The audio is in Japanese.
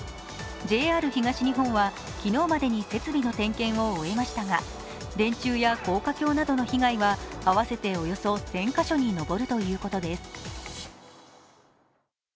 ＪＲ東日本は昨日までに設備の点検を終えましたが電柱や高架橋などの被害は合わせておよそ１０００カ所に上るということです。